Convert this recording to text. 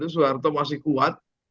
suharto masih kuat